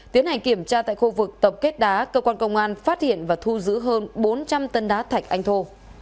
tiến hành kiểm tra tại khu vực tập kết đá cơ quan công an phát hiện và thu giữ hơn bốn trăm linh tấn đá thạch anh thô